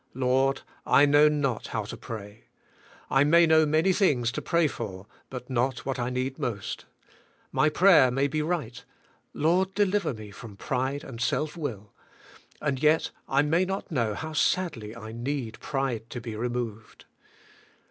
Lord, I know not how to pray. I may know many things to pray for but not what I need most. My prayer may be right — Lord deliver me from pride and self will — and yet I may not know how sadly I need pride to be removed.